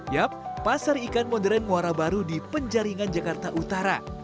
yap pasar ikan modern muara baru di penjaringan jakarta utara